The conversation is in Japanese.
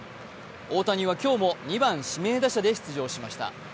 大谷は今日も２番・指名打者で出場しました。